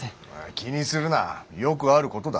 気にするなよくあることだ。